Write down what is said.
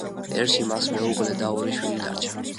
ერში მას მეუღლე და ორი შვილი დარჩა.